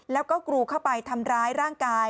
แล้วก็กรูเข้าไปทำร้ายร่างกาย